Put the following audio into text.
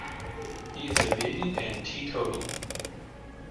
He is a vegan and teetotal.